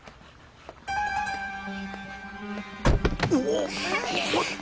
お！？